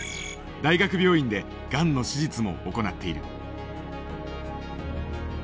大学病院でがんの手術も行っている。